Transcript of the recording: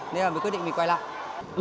nên là mình quyết định mình quay lại